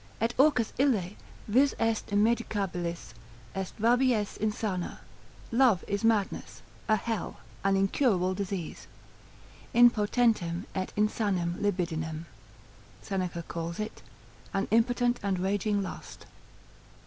Est orcus ille, vis est immedicabilis, est rabies insana, love is madness, a hell, an incurable disease; inpotentem et insanam libidinem Seneca calls it, an impotent and raging lust.